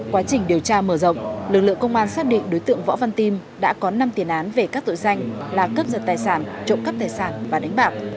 quá trình điều tra mở rộng lực lượng công an xác định đối tượng võ văn tin đã có năm tiền án về các tội danh là cướp giật tài sản trộm cắp tài sản và đánh bạc